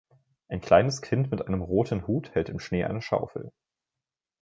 Ein kleines Kind mit einem roten Hut hält im Schnee eine Schaufel.